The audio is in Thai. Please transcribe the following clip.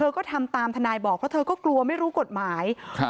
ก็ทำตามทนายบอกเพราะเธอก็กลัวไม่รู้กฎหมายครับ